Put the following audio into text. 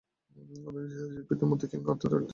আধুনিক ইতিহাসবিদদের মতে king Arthur একটি কাল্পনিক চরিত্র।